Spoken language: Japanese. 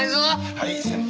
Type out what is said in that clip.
はい先輩。